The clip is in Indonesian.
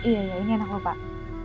iya ya ini enak lho pak